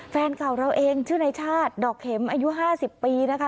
แฟนเก่าเราเองชื่อในชาติดอกเข็มอายุ๕๐ปีนะคะ